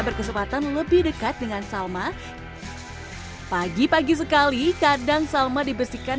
berkesempatan lebih dekat dengan salma pagi pagi sekali kadang salma dibersihkan